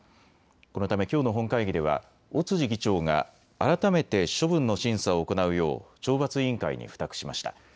このためきょうの本会議では尾辻議長が改めて処分の審査を行うよう懲罰委員会に付託しました。